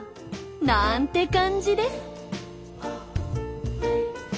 なんて感じです。